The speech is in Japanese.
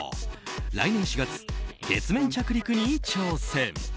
来年４月、月面着陸に挑戦。